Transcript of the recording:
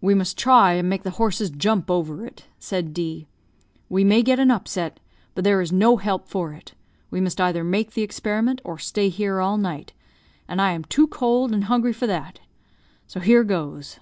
"We must try and make the horses jump over it," said D . "We may get an upset, but there is no help for it; we must either make the experiment, or stay here all night, and I am too cold and hungry for that so here goes."